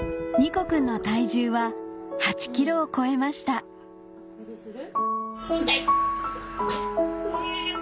琥君の体重は８ｋｇを超えました重たい！